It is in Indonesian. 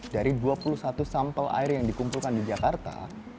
dari dua puluh satu sampel air yang dikumpulkan di jakarta